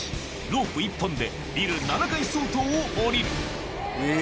ロープ１本でビル７階相当を降りるえ！